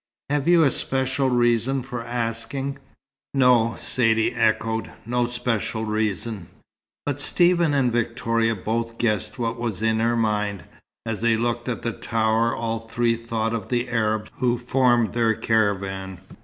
"Have you a special reason for asking?" "No," Saidee echoed. "No special reason." But Stephen and Victoria both guessed what was in her mind. As they looked at the tower all three thought of the Arabs who formed their caravan.